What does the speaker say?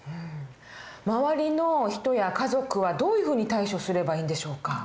周りの人や家族はどういうふうに対処すればいいんでしょうか？